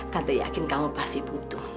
kata yakin kamu pasti butuh